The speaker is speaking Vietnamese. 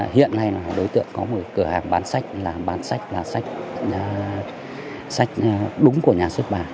hiện nay là đối tượng có một cửa hàng bán sách là bán sách là sách đúng của nhà xuất bản